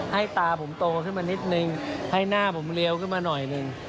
ให้ตาผมโตขึ้นมานิดนึงให้หน้าผมเรียวขึ้นมาหน่อยหนึ่ง